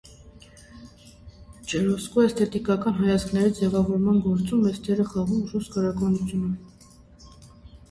Ժերոմսկու էսթետիկական հայացքների ձևավորման գործում մեծ դեր է խաղում ռուս գրականությունը։